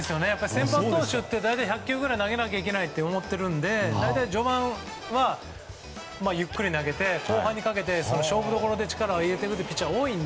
先発投手って大体１００球ぐらい投げなきゃいけないって思っているんで大体序盤はゆっくり投げて後半にかけて勝負どころに力を入れているという